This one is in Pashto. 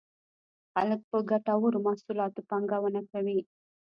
خلک په ګټورو محصولاتو پانګونه کوي.